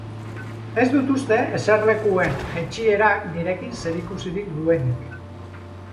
Ez dut uste eserlekuen jaitsierak nirekin zerikusirik duenik.